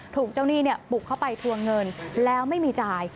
ถูกเจ้าหนี้บุกเข้าไปทวงเงินแล้วไม่มีจ่าย